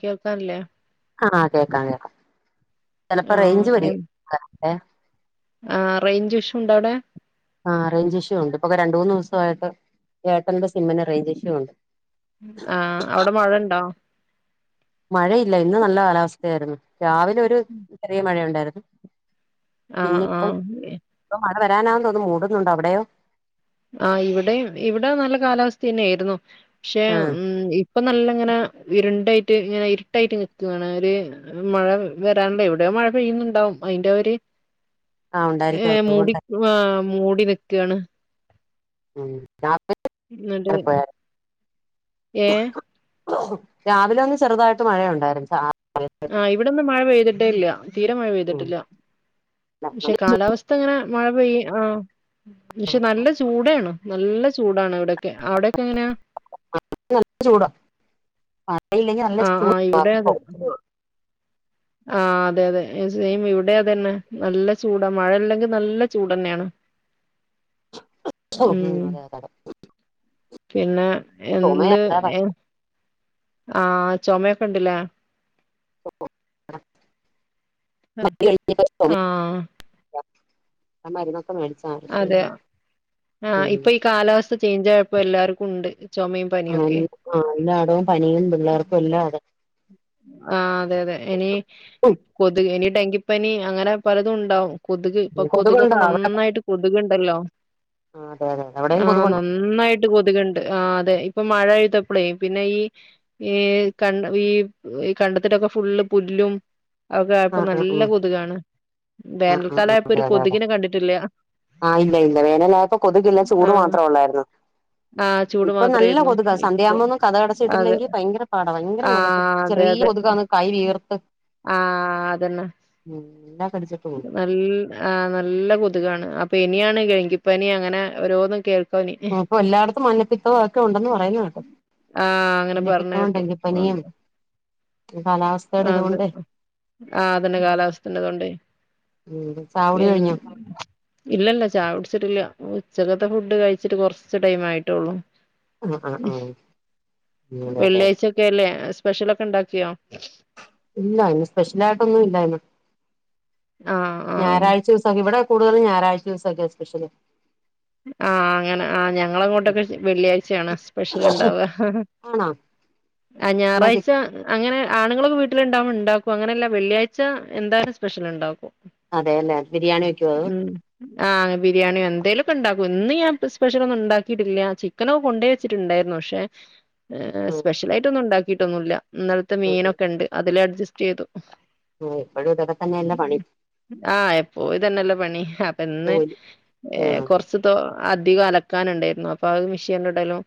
കേൾക്കാനില്ലേ ആഹ് കേക്കാം കേക്കാം ചെലപ്പോ ആ റേഞ്ച് വരി ക ഏഹ് ആഹ് റെയ്ഞ്ചിഷ്യുണ്ടവടെ? ആഹ് റെയ്ഞ്ചിഷ്യുണ്ട് പ്പൊക്ക രണ്ടൂന്ന്സായിട്ട് ഏട്ടന്റെ സിമ്മിന് റേഞ്ചിഷ്യൂണ്ട് ആഹ് അവ്ടെ മഴണ്ടോ? മഴയില്ല ഇന്ന് നല്ല കാലാവസ്ഥയായിരുന്നു. രാവിലെ ഒരു ചെറിയ മഴയുണ്ടായിരുന്നു. ആ പിന്നെ ആ ഇപ്പം, ഇപ്പം മഴ വരാനാന്ന് തോന്നുന്നു, മൂടുന്നുണ്ട് അവിടെയോ? ആഹ് ഇവിടെയും, ഇവിടെ നല്ല കാലാവസ്ഥ തന്നേരുന്നു, പക്ഷെ ആഹ് ഉം ഇ പ്പൊ നല്ലങ്ങനെ ഇരുണ്ടായിട്ട് ഇങ്ങനെ ഇരുട്ടായിട്ട് നിക്കാണ് ഒര് മഴ വരാണ്ടെ, എവിടെയോ മഴ പെയ്യുന്നുണ്ടാവും അയിന്റെ ഒര് ആഹ് ഉണ്ടായിരിക്കും ഏഹ് മൂടി അതുകൊണ്ട് ആഹ് മൂടി നിക്കാണ് ഉം [inaudible] എന്നിട്ട് ഏ രാവിലെ ഒന്ന് ചെറുതായിട്ട് മഴ ഉണ്ടായിരുന്നു, ചാ ആഹ് ഇവിടൊന്നും മഴ പെയ്തിട്ടേയില്ല, തീരെ ഉം മഴപെയ്തിട്ടില്ല, നല്ല പക്ഷെ കാലാവസ്ഥ ത്ത്ങ്ങനെ മഴ പെയ്യ്‌ ആഹ് പക്ഷെ നല്ല ചൂടാണ്, നല്ല ചൂടാണ് ഇവിടൊക്കെ. അവിടൊക്കെ എങ്ങനാ? നല്ല ചൂടാ. മഴയില്ലെങ്കിൽ നല്ല ആഹ് ചൂടാ ആഹ് ഇവിടെ [inaudible] അതെ ആഹ് അതെ അതെ സെയിം ഇവിടെം അതന്നെ, നല്ല ചൂടാ, മഴയില്ലെങ്കിൽ നല്ല ചൂടന്നെയാണ്. ഉം [unintelligible] പിന്നെ എന്ത് ചുമയാ ഏഹ് ആഹ് ചൊമയൊക്കെണ്ട്ല്ലേ ആഹ് [inaudible] ഞാൻ മരുന്നൊക്കെമേടിച്ച് അതെ ആഹ് ഇപ്പൊ ഈ കാലാവസ്ഥ ചേഞ്ച് ആയപ്പോ എല്ലാർക്കുണ്ട് ചുമയും പനിയും ഒക്കെ [inaudible] ആഹ് എല്ലാടവും പനിയും പിള്ളേർക്കും എല്ലാം അതെ ആഹ് അതെ അതെ, ഇനി ഉം, കൊതുക്, ഇനി ഡെങ്കിപ്പനി അങ്ങനെ പലതും ഉണ്ടാവും കൊതുക് ഇപ്പൊ കൊതുകൊക്കെ കൊതുകുണ്ടോ അവിടെ നന്നായിട്ട് കൊതുകുണ്ടല്ലോ ആ അതെ അതെ അതെ. അവിടെയും ആഹ് ന കൊതുകുണ്ട് നന്നായിട്ട് കൊതുകുണ്ട്, ആഹ് അതെ ഇപ്പൊ മഴ പെയ്തപ്പളേ, പിന്നെ ഈ ഈ കണ്ട ഈ കണ്ടത്തിലൊക്കെ ഫുള്ള് പുല്ലും ഒക്കെ ആ ആയപ്പോ ആ നല്ല ഉം കൊതുകാണ്. ആ വേനൽക്കാലമായപ്പോ ഒരു കൊതുകിനെ കണ്ടിട്ടില്ല ആഹ് ഇല്ല ഇല്ല വേനലായപ്പോ കൊതുക്കില്ല ചൂട് ആഹ് മാത്രം ഒള്ളായിരുന്നു ആഹ് ചൂട് ഇപ്പൊ നല്ല മാത്രേയിരുന്നു. കൊതുകാ, സന്ധ്യ ഇപ്പൊ ആകുമ്പോന്നും അതെ കതകടച്ചിട്ടില്ലെങ്കിൽ ഭയങ്കര പാടാ, ഭയങ്കര കൊതുക് ആഹ് [inaudible] അതെ ചെറിയ അതെ കൊതുകാണ്, കൈ വീർത്ത് ആഹ് അതന്നെ മെല്ല കടിച്ചിട്ട് പോവും നല്ല ആഹ് നല്ല കൊതുകാണ്, അപ്പൊ ഇനിയാണ് ഡെങ്കിപ്പനി അങ്ങനെ ഓരോന്നും കേൾ ഉം ഇപ്പൊ എല്ലായിടത്തും മഞ്ഞപ്പിത്തവും ഒക്കെ ഉണ്ടെന്ന് പറയുന്ന കേട്ടു ആഹ് അങ്ങനെ പറഞ്ഞ മഞ്ഞപ്പിത്തവും കേട്ടു. ഡെങ്കിപനിയും അതെ കാലാവസ്ഥ അതെ ആഹ് അതന്നെ കാലാവസ്ഥന്റെ കൊണ്ട് ഉം ചായ കുടി പിന്നെ കഴിഞ്ഞോ ഇല്ലല്ല ചായ കുടിച്ചിട്ടില്ല. ഉച്ചകത്തെ ഫുഡ് കഴിച്ചിട്ട് കുറച്ച് ടൈം ആയിട്ടുള്ളു ആഹ് ആഹ് ആഹ് അങ്ങനെയാ അല്ലെ ക്കല്ലേ, സ്പെഷ്യൽ ഒക്കെ ഉണ്ടാക്കിയോ? ഇല്ല ഇന്ന് സ്പെഷ്യൽ ആയിട്ടൊന്നും ഇല്ലായിന്ന് ആഹ് ആഹ് ഞായാഴ്ച ദിവസൊക്കെ, ഇവിടെ കൂടുതലും ഞായറാഴ്ച ദിവസൊക്കെയാ സ്പെഷ്യല് ആഹ് അങ്ങനെ ആഹ് ഞങ്ങളെ അങ്ങോട്ടൊക്കെ വെള്ളിയാഴ്ചയാണ് സ്പെഷ്യൽ ഇണ്ടാവുക ആണോ ആഹ് എന്നാ ചി ഞായറാഴ്ച അങ്ങനെ ആണുങ്ങളൊക്കെ വീട്ടില് ഉണ്ടാകുമ്പോ ഇണ്ടാക്കും, അങ്ങനെയല്ല വെള്ളിയാഴ്ച എന്തായാലും സ്പെഷ്യൽ ഉണ്ടാക്കും. അതെ അല്ലെ, ബിരിയാണി വെക്കുവോ അതോ ഉം ആഹ് ബിരിയാണിയോ എന്തേലും ഇണ്ടാക്കും ഇന്ന് ഞാൻ സ്പെഷ്യൽ ഒന്നും ഉണ്ടാക്കിയിട്ടില്ല ചിക്കനൊക്ക കൊണ്ടേ വെച്ചിട്ടുണ്ടായിരുന്നു പക്ഷെ അതോ സ്പെഷ്യൽ ആയിട്ട് ഒന്നും ഉണ്ടാക്കിയിട്ടൊന്നുല്ല ഇന്നലത്തെ ആഹ് ആഹ് മീനൊക്കെ ഉണ്ട് അതില് അഡ്ജസ്റ്റ് ചെയ്തു ആഹ് ഇപ്പോഴും ഇതൊകെ തന്നെയല്ലെ പണി ആഹ് എപ്പോയും ഇതന്നെല്ലെ പണി അപ്പൊ ഇന്ന് ജോലി ആഹ് കുറച്ച തൊ അധികം അലക്കാൻ ഉണ്ടായിരുന്നു അപ്പൊത് മെഷീനിൽ ഇടലും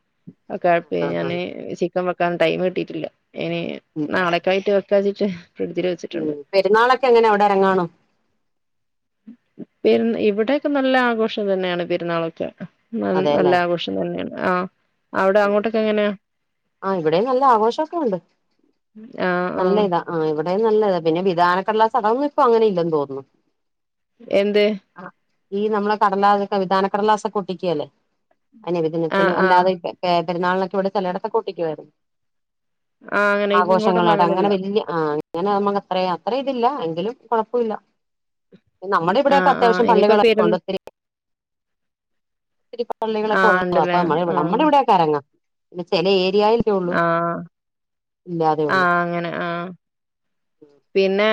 ഴപ്പ ആഹ് ഞാന് ആഹ് ചീക്കൻ വെക്കാൻ ടൈം കിട്ടിട്ടില്ല ഇനി ഉം നാളെ കായിട്ട് വെക്കാച്ച്ട്ട് ഫ്രീഡ്ജി ഉം പെരുന്നാളൊക്കെ എങ്ങനെ അവിടെ ഇറങ്ങാണോ? പെര് ഇവിടെക്കെ നല്ല ആഘോഷം തന്നെയാണ് പെരുന്നാളൊക്കെ ന നല്ല അതെല്ലേ ആഘോഷം തന്നെയാണ് ആഹ് അവിടെ അങ്ങോട്ടൊക്കെ എങ്ങനെയാ? ആഹ് ഇവിടെയും നല്ല ആഘോഷക്കെ ഉണ്ട് ആഹ് നല്ല ഇതാ ആഹ് ഇവിടെയും നല്ല ഇതാ പിന്നെ വിധാനക്കട്ലാസ് അത് ഒന്നും ഇപ്പ അങ്ങനെ ഇല്ലന്ന് തോന്നുന്നു എന്ത് ആഹ് ഈ നമ്മള് കടലാസ്ഒക്കെ വിധാനക്കടലാസൊക്കെ ഒട്ടിക്കല്ലെ? ആഹ് ആഹ് നബിദിനത്തിനും ആഹ് അല്ലാതെ ഈ പെരുന്നാളിനൊക്കെ ഇവിടെ ചിലയിടത്ത് ഒകെ ഒട്ടിക്കുവായിരുന്നു ആഹ് അങ്ങനെ ഇപ്പ ഇങ്ങോട് ങ്ങളെ അങ്ങനെ വലിയ ആഹ് അങ്ങനെ നമ്മക്ക് അത്ര അത്ര ഇതില്ല എങ്കിലും കൊഴപ്പില്ല നമ്മൾ ഇവിടെക്കെ ആഹ് ആഹ് അത്യാവശ്യ ഇനിയിപ്പോ പള്ളികളൊക്കെ പെരു കൊണ്ടത്തിരി ത്തിരി പള്ളികളൊക്കെ ആഹ് ഉള്ളത ഉണ്ടല്ലേ അ ആഹ് നമ്മുടെ ഇവിടെയൊക്കെ ഇറങ്ങാം പിന്നെ ചില ഏരിയ ആഹ് ഉള്ളൂ ആഹ് അങ്ങനെ ആഹ്. പിന്നെ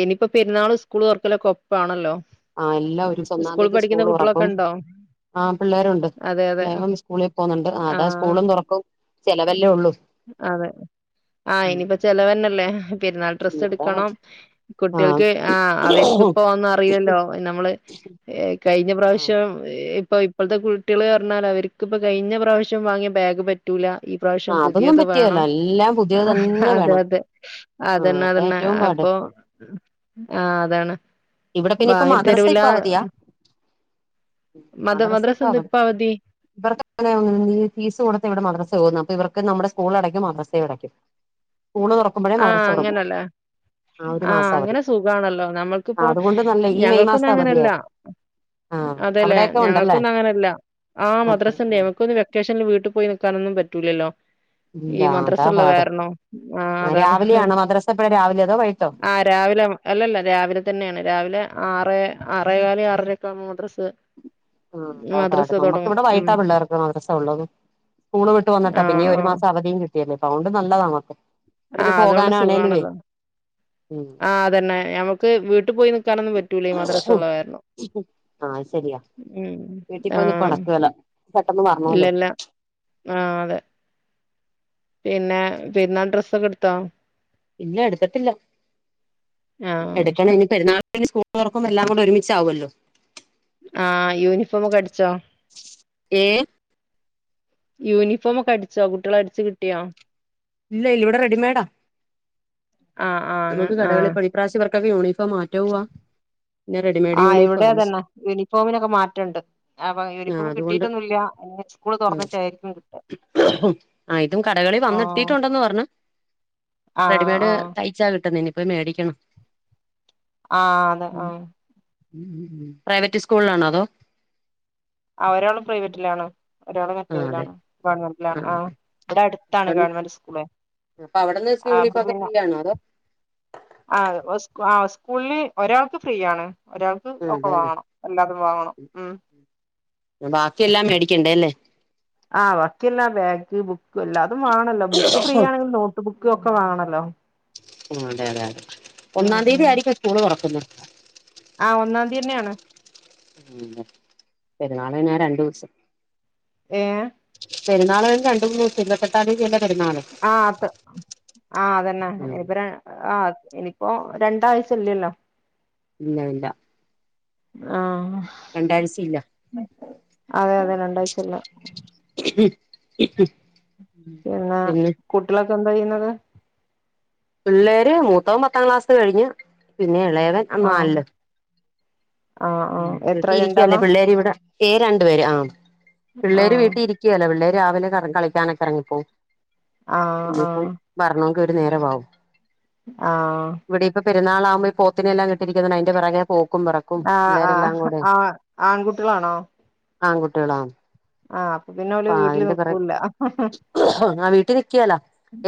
ഇനിയിപ്പോ പെരുന്നാള് സ്കൂൾ തോർക്കല്ലോ കൊപ്പാണല്ലോ. ആ എല്ലാ ഒരു സ് ഒന്നാം തീയതി സ്കൂൾ ഉറക്കും. ഉണ്ടോ ആഹ് പിള്ളേരുണ്ട് അതെ അതെ ലെ സ്കൂളിൽ പോകുന്നുണ്ട് അതാ ആഹ് സ്കൂളും തുറക്കും. ചെലവല്ലേ ഉള്ളൂ. അതെ. ആഹ് ഉം ഇനിയിപ്പ ചെലവന്നെല്ലേ പെരുന്നാൾ ഡ്രസ്സ് അതാ എടുക്കണം. പറഞ്ഞെ ആ കുട്ടികൾക്ക് ആഹ് അവർക്കിപ്പോ ഒന്നും അറില്ലല്ലോ നമ്മള് ഏഹ് കഴിഞ്ഞ ആ പ്രാവശ്യം ഇപ്പോ ഇപ്പോഴത്തെ കുട്ടികൾ പറഞ്ഞാൽ അവർക്കിപ്പോ കഴിഞ്ഞ പ്രാവശ്യം വാങ്ങിയ ബാഗ് പറ്റ് റ്റൂല ഈ ആ പ്രാവശ്യം അതൊന്നും പുതിയത് പറ്റിയേല വേണം എല്ലാം പുതിയത് ആഹ് തന്നെ അതെ വേണം അതെ അ ആ അതന്നെ അതാ അതന്നെ ഏറ്റവും പാട് അപ്പൊ ആഹ് അതാണ് ഇവിടെ പിന്നെ ഇപ്പ വാങ്ങി മദ്രസ തരൂല ഇപ്പൊ അവധിയാ മദ് മദ്രസ് എന്താ ഇപ്പൊ അവദി ഇവർക്ക അങ്ങനെനീ ഫീസ് കൊടുത്ത് ഇവിടെ മദ്രസ പോകന്ന ഇവർക്ക് നമ്മുടെ സ്കൂളടയ്ക്കും മദ്രസ അടയ്ക്കും സ്കൂള് തുറക്കുമ്പോഴേ മദ്രസ തുറക്കു അങ്ങനല്ല ആഹ് അങ്ങനെ സുഖണല്ലോ ആ നമ്മൾക്കിപ്പോൊ അതുകൊണ്ട് നല്ല ഈ മെയ് ഞങ്ങൾക്കൊന്നും മാസം അങ്ങനെയല്ല. അവധിയായിരുന്നു ആ അതെല്ലേ അവിടെയൊക്കെ ഉണ്ടല്ലേ ഞങ്ങക്കൊന്നും അങ്ങനെയല്ല ആഹ് ആ ആ മദ്രാസിണ്ടെ ആ വക്കൊന്ന് വെ ക്കേഷൻല് വീട്ടിപ്പോയി നിക്കാനൊന്നും പറ്റൂലല്ലോ ഇല്ല ഈ അതാ മദ്രസള്ള പാട് കാരണം ആഹ് ആ താണ് ഹ് രാവിലെയാണോ മദ്രസ എപ്പഴാ രാവിലെ അതോ വൈകിട്ടോ ആഹ് രാവിലെ മ് അല്ലല്ല രാവിലെ തന്നേണ് രാവിലെ ആറേ ആറേകാല് ആറരയൊക്കെ ആവുമ്പോ മദ്രസ്സ ആഹ് അതാ പാട് നമ്മക്കിവടെ ഉം. വൈട്ടാ പിള്ളേർക്ക് മദ്രസ ഉള്ളത് സ്കൂള് വിട്ട് വന്നട്ടാ ആ പിന്നീ ഒരു ആ. മാസം അവധിയും കിട്ടിയല്ലേ അപ്പ ഓണ്ട് നല്ലതാ നമക്ക് ആഹ് അതോണ്ട് സുഖാണല്ലോ ഉം ആഹ് അതന്നെ ഞമുക്ക് വീട്ടിപ്പോയി നിക്കാനൊന്നും പറ്റൂലേ മദ്രസള്ള കാരണം ആഹ് ശരിയാ ഉം ആ. വീട്ടിപ്പോയി നിപ്പ് നടക്കുവേല പെട്ടെന്ന് വറണോല്ലോ? ആഹ് അതെ പിന്നേ പെരുന്നാൾ ഡ്രസ്സൊക്കെടുത്തോ? ഇല്ല എടുത്തട്ടില്ല ആ. എടുക്കണം ഇനി പെരുന്നാൾ ഇനി സ്കൂള് തുറകുപ്പും എല്ലാം കൂടെ ഒരുമിച്ചാകുവല്ലോ ആഹ് യൂനിഫോമൊക്ക അടിച്ചോ? ഏ യൂനിഫോമൊക്ക അടിച്ചോ കുട്ടികള് അടിച്ച് കിട്ടിയോ? ഇല്ല ഇല്ല ഇവിടെ റെഡിമേഡാ. ആഹ് ആഹ് അങ്ങ നമുക്ക് ആഹ് കടകളിപ്പ ഇപ്രാശ്യം ഇവർക്ക്ക്കൊ യൂണിഫോം മാറ്റൗവാ ആഹ് ഇവടൊ അതന്നെ യുനിഫോമിനൊക്കെ മാറ്റണ്ട് അപ്പ ആ യുനിഫോമ് അതുകൊണ്ട് കിട്ടിയിട്ടൊന്നുല്ല്യ. ഉം ആഹ് ഇതും കടകളി ഓഹ് വന്നെത്തീട്ടുണ്ടെന്ന് പറഞ്ഞ്. ആഹ് ആഹ് തയിച്ചാ കിട്ടുന്നെ ഇനിപ്പോയി മേടിക്കണം. ആതൊ ആഹ് പ്രൈവറ്റ് ഇസ്കൂളിലാണോ അതോ ആഹ് ഒരാള് പ്രൈവറ്റിലാണ്. ഒരാള് ആ അതെ മറ്റേതിലാണ്. ഗവൺമെൻ്റിലാണ്. ആ ആഹ് ഇവിടൊ അടുത്താണ് ഗവൻമൊന്റ് സ്കൂള് അപ്പൊ അവിടുന്ന് ആഹ് അപ്പ യൂണിഫോം ഒക്കെ പിന്നൊ ഫ്രീ ആണോ അതോ ആഹ് ഓ സ്കൂള് ആഹ് സ്കൂളില് ഒരാൾക്ക് ഫ്രീയാണ് ഒരാൾക് ബുക്കും ആ ഒക്കെ അതെല്ലേ വാങ്ങണം എല്ലാതും വാങ്ങണം. ഉം ബാക്കിയെല്ലാം മേടിക്കണ്ടേ അല്ലേ. ആഹ് ബാക്കിയെല്ലാ ബാഗ് ബുക്ക് എല്ലാതും വാങ്ങണല്ലോ ബുക്ക് ഫ്രീ ആ ആണെങ്കില് നോ ട്ട് ബുക്ക് ഒക്ക വാങ്ങണല്ലോ ആഹ് അതെ അതെ അതെ ഉം ഒന്നാം തീയതി ഉം ആയിരിക്കോ സ്കൂള് തൊറക്കുന്നത്. ആഹ് ഒന്നാം തിയന്നെയാണ്. ഉം പെരുന്നാളിന് കഴിഞ്ഞ രണ്ടൂ സം ഏഹ് പെരുന്നാള് രണ്ട് മൂ ഇരുപത്തെട്ടാന്തിയതിയല്ലേ പെരുന്നാള്. ആഹ് അത്ത് ആഹ് അതന്നെ ഉം ഇനിപ്പ രണ്ട് ആഹ് ഇനിപ്പോ രണ്ടാഴ്ച്ചില്ല്യല്ലോ. ഇല്ല്യ ഇല്ല ആഹ് രണ്ടാഴ്ച്ചയില്ല. അതെ അതെ രണ്ടാഴ്ചല്ല [inaudible] പിന്നെ കുട്ടികളൊക്കെ എന്താ ചെയ്യുന്നത്. പിള്ളേര് മൂത്തവൻ പത്താം ക്ലാസ് കഴിഞ്ഞ് പിന്നെ എളയവൻ അ ആഹ് നാല്ല്. ആഹ് ഉം ആഹ് എത്ര വീട്ടീയിരിക്ക്യാല്ലേ രണ്ടാളാ പിള്ളേരിവിടെ തേ രണ്ടു പേര്. ആഹ് പിള്ളേര്. ആഹ് വീട്ടീ ഇരിക്ക്യേല പിള്ളേര് രാവിലെ കറ് കളിക്കാനൊക്ക എറങ്ങിപ്പോകും. ആഹ് ഇനിയിപ്പം ആഹ് വറണോങ്കി ഒരു നേരവാകും ആഹ് ഇവടെയിപ്പ പെരുന്നാളാവുമ്പ ഈ പോത്തിനെയെല്ലാം കെട്ടിയിരിക്കുന്നോണ്ടയിന്റൊ പെറകേ പോക്കും പെറക് ആഹ് ആഹ് ആഹ് ആൺകുട്ടികളാണോ? ആൺ കുട്ട്യാള്. ആഹ് അപ്പൊ പിന്നെ ഓല് വീട്ടില് നിക്കൂല. ആ വീട്ടിൽ നിക്കേലാ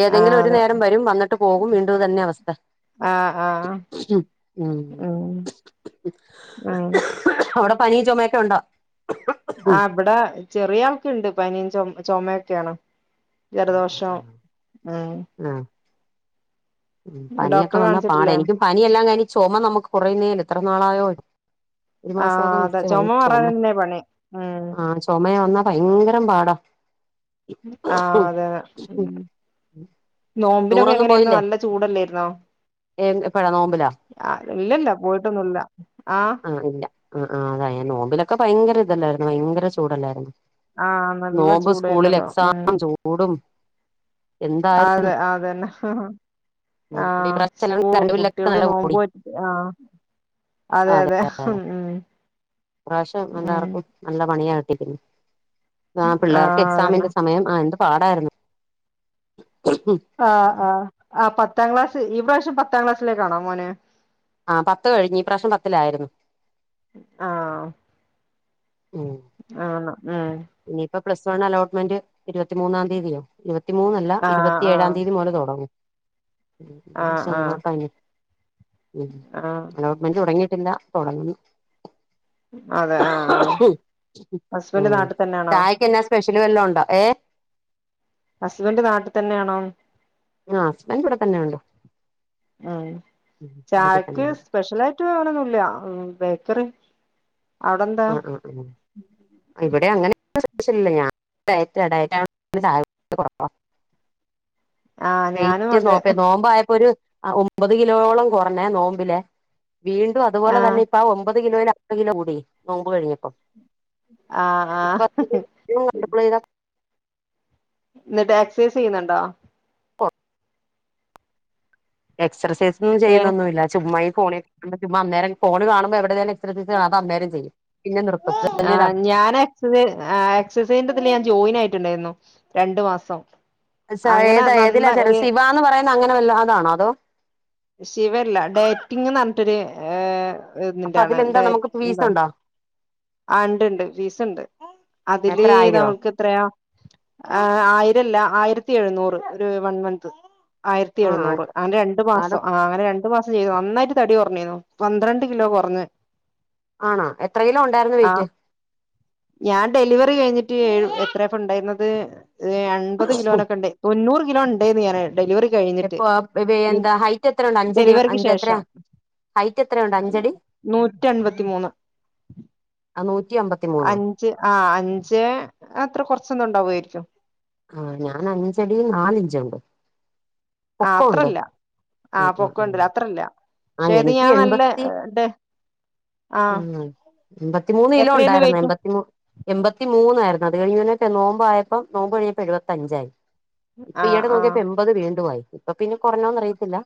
ഏതെങ്കിലും ഒരു അതെ നേരം വരും വന്നിട്ട് പോകും വീണ്ടും ഇതന്നെ അവസ്ഥ ആഹ് ആഹ് ഉം ഉം അവിടെ പനി ചുമയൊക്കെ ഉണ്ടോ ഉം ആഹ് ഇവിടെ ചെറിയ ആൾക്ണ്ട് പനി ച ചോമൊക്കെയാണ് ജലദോഷം ഉം ആഹ് ഉം പനിയൊക്കെ ഡോക്ടറെ വന്നാ പാട കാണിച്ചിട്ടില്ലേ ഇനിക്കും പനിയെല്ലാം കഴിഞ് ചോമ നമക്ക് കുറയുന്നേല എത്ര നാളായോ ഒരു ആ മാസമൊക്കെ അതെ നിച്ച് ചുമ ഭയങ്കര മാറാൻ ചോമേ തന്നെ പണി ഉം ആഹ് ചോമ വന്നാ ഭയങ്കരം പാടാ ആഹ് അതെ ഉം നോമ്പിനൊക്കെ ടൂറൊന്നും എങ്ങനെയായിന് നല്ല ചൂടല്ലായിരുന്നോ ഏ എപ്പഴാ നോമ്പലോ ആഹ് ഇല്ലല്ല പോയിട്ടൊന്നുല്ല ആഹ് ആഹ് ആഹ് അതെ നോമ്പിലൊക്കെ ഭയങ്കര ഇതല്ലായിരുന്നോ ഭയങ്കര ചൂടല്ലായിരുന്നോ ആ നല്ല നോമ്പ് സ്കൂളില് ചൂടായിരുന്നല്ലോ ഉം എക്സാം ചൂടും എന്തായിരുന്നു അതെ അതെന്നെ ആഹ് ഇപ്രാവശ്യം സ്കൂളും രണ്ടുപല്ലൊക്കെ കുട്ടികൾക്ക് നല്ല കൂടി നോമ്പറ്റ് ആഹ് അതെ അതെ ഉം ഇപ്രാവശ്യം ഉം എല്ലാവർക്കും നല്ല പണിയ കിട്ടിക്ന്നെ ആ പിള്ളേർക്ക് എക്സാമിന്റെ സമയം ആഹ് എന്ത് പാടായിരുന്നു ഹും ആഹ് ആഹ് അ പത്താം ക്ലാസ് ഈ പ്രവശ്യം പത്താം ക്ലാസ്സിലേക്കാണോ മോന് ആ പത്ത് കഴിഞ് ഈ പ്രവശ്യം പത്തിലായിരുന്നു ആഹ് ഉം ആണോ ഉം ഇനിയിപ്പൊ പ്ലസ് വൺ അലോട്ട്മെന്റ് ഇരുപത്തിമൂന്നാം തീയതിയോ ഇരുപത്തി മൂന്നല്ല ആഹ് ഇരുപത്തി ഏഴാം ആഹ് തീയതി മുതല് തുടങ്ങും ആഹ് ആഹ് സന്തോഷായിൻ ഉം ആഹ് അലോ ന് തോടങ്ങിയിട്ടില്ല തുടങ്ങുന്നു അതെ ആഹ് ആഹ് ഹസ്ബന്റ് നാട്ടിൽ തന്നെയാണോ ക്കന്ന സ്പെഷ്യൽ വല്ലോ ഉണ്ടോഏഹ് ഹസ്ബന്റ് നാട്ടിതന്നെയാണോ ആഹ് ഹസ്ബന്റ് ഇവിടെ തന്നെ ഉണ്ട് നാട്ടിൽ തന്നെണ്ട് സ്പെഷ്യല ആയിട്ട് വേണൊന്നും ഇല്ല ബേക്കറി അവിടെന്താ ഉം ഉം ഉം ഇവിടെ അങ്ങനെല്ല [unintelligible] ആഹ് ഞാനും വെയിറ്റ് അതെ നോക്ക് നോമ്പായപ്പോ ഒരു ഒമ്പത് കിലോളം കുറഞ്ഞേ നോമ്പിലെ വീണ്ടും അതുപോലെ ആഹ് തന്നെ ഇപ്പ ആ ഒമ്പത് കിലോൽഅ കിലോ കൂടി നോമ്പ് കഴിഞ്ഞപ്പോ [inaudible] ആഹ് ആഹ് ഇന്നിട്ട് ആക്സൈസ് ചിയ്യുന്നുണ്ടോ പോ എക്സർസൈസോന്നും ഏഹ് ചെയ്യുന്നൊന്നുല്ല ചുമ്മാഇ ഫോണി നമ്മു അന്നേര ഫോണ് കാണുമ്പോ എവിടെേന്നെ ഇത്ര അന്നേരം ചെയ്യും പിന്നെ നിർത്തും തന്നെ ആഹ് ഞാനഎക് എക്സസൈ എക്സസൈസിന്റെതിൽ ഞാൻ ജോയിൻ ആയിട്ടുണ്ടായിരുന്നു രണ്ടു മാസം സാ അങ്ങനെ ഏതാ ഏതിലാ നന്ന ചെ ഒരു ശിവാ എന്ന് പറയുന്നത് അങ്ങനെ വല്ലോ അതാണോ അതോ ശിവല്ല ഡേയറ്റിംഗ് പറഞ്ഞിട്ടൊരു ഏ അപ്പൊ ഇതിന്റൊണ് അതിലെന്താ ഡേ നമുക്ക് ഫീസ് എന്താ ഉണ്ടോ ആഹ് ഉണ്ട് ഉണ്ട് ഫീസ് ഉണ്ട്, അതില് എത്ര ആയിരോ നമു ക്ക് എത്രയാ, ആയിരല്ല ആയിരത്തി എഴുന്നൂറ് ഒരു വൺ മന്ത് ആയിരത്തി ആ എഴുന്നൂറ്, അങ്ങനെ രണ്ടു അത് മാസം, ആഹ് അങ്ങനെ രണ്ട് രണ്ട് മാസം ചെയ്തു, നന്നായിട്ട് തടി കുറഞ്ഞേനു, പന്ത്രണ്ട് കിലോ കുറഞ്ഞ് ആണോ എത്ര കിലോ ഉണ്ടായിരുന്നു ആ വെയിറ്റ് ഞാൻ ഡെലിവറി കഴിഞ്ഞിട്ട് എത്രയാപ്പം ഉണ്ടായിരുന്നത് എൺപത് കിലോനൊക്കെ ഉണ്ട് തൊണ്ണൂറ് കിലോ ഉണ്ടേന്ന് ഞാന് ഡെലിവറി കഴിഞ്ഞിട്ട് എപ്പോ പി എന്താ ഹൈറ്റ് എത്രയുണ്ട് അഞ്ചടി ഡെലിവറിക്ക് അഞ്ച് എത്ര ശേഷം ഹൈറ്റ് എത്രയുണ്ട് അഞ്ചടി നൂറ്റി അൻപത്തി മൂന്ന് ആ നൂറ്റി അമ്പ- അഞ്ച് ആഹ് അഞ്ച് അത്ര കൊറച്ചൊന്നും ഉണ്ടാവുമായിരിക്കും ആഹ് ഞാൻ അഞ്ചടി നാല് ഇഞ്ച് ഉണ്ട് ആഹ് അത്രല്ല ഉം ആഹ് ഉം പൊക്കണ്ടല്ലേ ഉം അത്ര ഇല്ല ആ പക്ഷേ ഇത് എനിക്ക് ഞാൻ നല്ല എൺപത്തി ആഹ് ഉം എൺപത്തിമൂന്ന് കിലോ എത്രേന്ന് ഉണ്ടായിരുന്ന്, വെയിറ്റ് എൺപത്തിമൂ എൺപത്തി മൂന്നായിരുന്നു അത് കഴിഞ്ഞ് നോമ്പായപ്പം നോമ്പ് കഴിഞ്ഞപ്പം എഴുപത്തഞ്ചായി ഇപ്പൊ ആഹ് ഈയിടെ ആഹ് നോക്കിയപ്പോ എൺപത് വീണ്ടും ആയി, ഇപ്പൊ പിന്നെ കൊറഞ്ഞോന്ന് അറിയത്തില്ല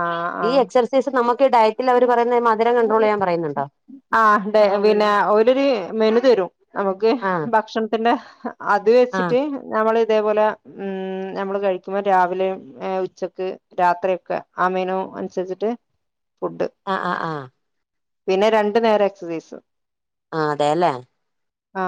ആഹ് ഈ ആഹ് എക്സർസൈസ് നമുക്കീ ഡയറ്റില് അവര് പറയുന്ന ഈ മധുരം കൺട്രോള് ചെയ്യാൻ പറയുന്നുണ്ടോ ആഹ് പിന്നെ ഓലൊരു മെനു തരും നമുക്ക് ആഹ് ഭക്ഷണത്തിന്റെ അത് ആഹ് വെച്ചിട്ട് നമ്മള് ഇതേ പോലെ ഉം നമ്മള് കഴിക്കുമ്പം രാവിലെയും ഉ ഉച്ചക്ക് രാത്രിയൊക്കെ ആ മെനു അനുസരിച്ചിട്ട് ഫുഡ് ആഹ് ആഹ് ആഹ് പിന്നെ രണ്ടു നേരം എക്സർസൈസ് ആഹ് അതേല്ലേ ആ